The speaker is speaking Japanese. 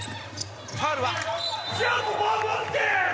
ファウルは？